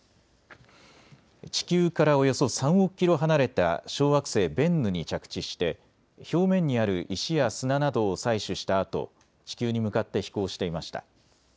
地球からおよそ３億キロ離れた小惑星ベンヌに着地して表面にある石や砂などを採取したあと地球に向かって飛行していました。